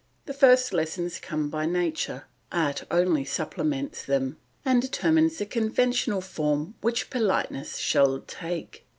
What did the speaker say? The first lessons come by nature; art only supplements them and determines the conventional form which politeness shall take.